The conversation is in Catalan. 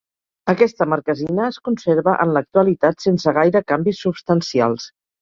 Aquesta marquesina es conserva en l'actualitat sense gaire canvis substancials.